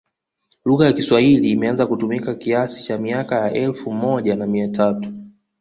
Lugha ya kiswahili imeanza kutumika kiasi cha miaka ya elfu moja na mia tatu